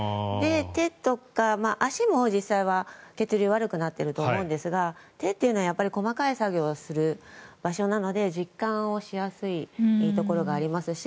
手とか足も実際は血流が悪くなっていると思うんですが手というのは細かい作業をする場所なので実感をしやすいところがありますし。